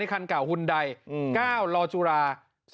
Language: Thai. ขั้นเก่าฮุนได๙ลจุรา๓๑๖๓